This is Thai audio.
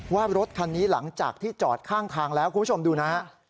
ว่ารถคันนี้หลังจากที่จอดข้างทางแล้วคุณผู้ชมดูนะฮะ